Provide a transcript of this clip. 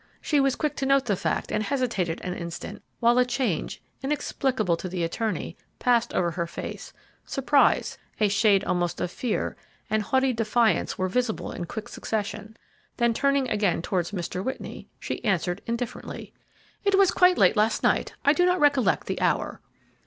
She was quick to note the fact and hesitated an instant, while a change, inexplicable to the attorney, passed over her face, surprise, a shade almost of fear, and haughty defiance were visible in quick succession; then, turning again towards Mr. Whitney, she answered, indifferently, "It was quite late last night; I do not recollect the hour."